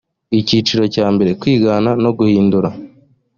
icyiciro cya mbere kwigana no guhindura